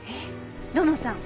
土門さん